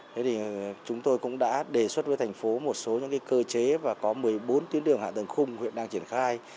thế thì chúng tôi cũng đã đề xuất với thành phố một số những cơ chế và có một mươi bốn tuyến đường hạ tầng khung huyện đang triển khai